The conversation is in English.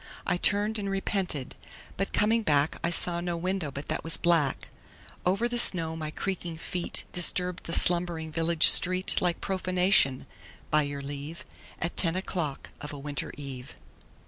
I turned and repented, but coming back I saw no window but that was black. Over the snow my creaking feet Disturbed the slumbering village street Like profanation, by your leave, At ten o'clock of a winter eve.